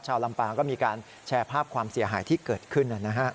ชาวลำปางก็มีการแชร์ภาพความเสียหายที่เกิดขึ้นนั่นนะฮะ